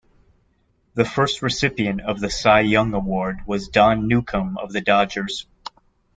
The first recipient of the Cy Young Award was Don Newcombe of the Dodgers.